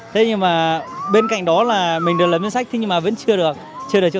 thế nhưng mà bên cạnh đó là mình được lấy miếng sách nhưng mà vẫn chưa được trụ tập để tập huấn